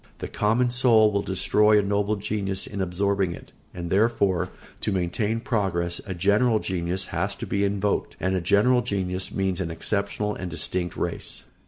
The common soul will destroy a noble genius in absorbing it, and therefore, to maintain progress, a general genius has to be invoked; and a general genius means an exceptional and distinct race.